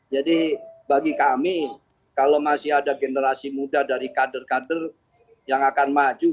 jadi bagi kami kalau masih ada generasi muda dari kader kader yang akan maju